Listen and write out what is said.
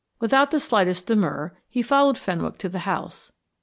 Without the slightest demur he followed Fenwick to the house.